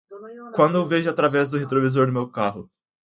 Quando eu vejo através do retrovisor do meu carro.